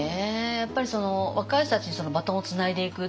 やっぱり若い人たちにバトンをつないでいくっていう。